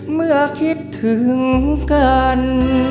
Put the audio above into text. เมื่อคิดถึงกัน